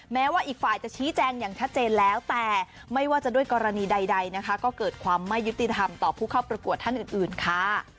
แม้ว่าอีกฝ่ายจะชี้แจงอย่างชัดเจนแล้วแต่ไม่ว่าจะด้วยกรณีใดนะคะก็เกิดความไม่ยุติธรรมต่อผู้เข้าประกวดท่านอื่นค่ะ